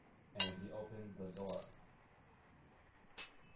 And he opened the door.